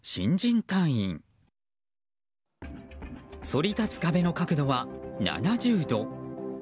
反り立つ壁の角度は７０度。